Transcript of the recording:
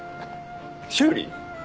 修理？